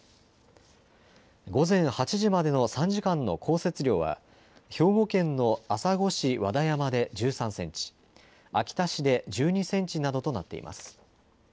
午前８時までの３時間の降雪量は兵庫県の朝来市和田山で１３センチ、秋田市で１２センチなどとなっています。